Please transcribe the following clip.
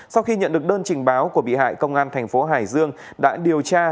sau khi nhận được đơn trình báo của bị hại công an thành phố hải dương đã điều tra